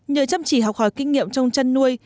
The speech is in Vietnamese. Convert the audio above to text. nhờ chăm chỉ học hỏi kinh nghiệm trong chăn nuôi